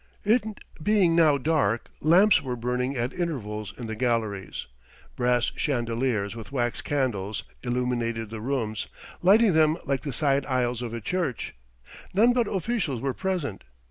It being now dark, lamps were burning at intervals in the galleries. Brass chandeliers, with wax candles, illuminated the rooms, lighting them like the side aisles of a church. None but officials were present.